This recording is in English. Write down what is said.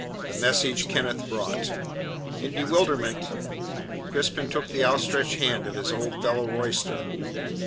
THE MESSAGE KENNETH BORE In bewilderment Crispin took the outstretched hand of his old fellow roysterer.